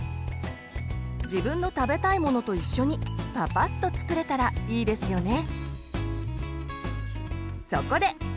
自分の食べたいものと一緒にパパッと作れたらいいですよね。